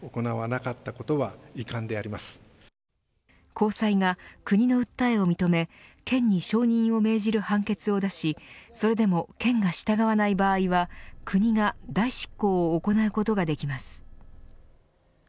高裁が、国の訴えを認め県に承認を命じる判決を出しそれでも県が従わない場合は国が代執行を行うことができます。